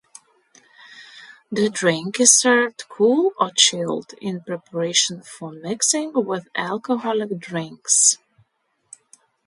The drink is served cool or chilled in preparation for mixing with alcoholic drinks.